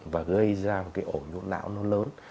và gây ra cái ổ nhũn não nó lớn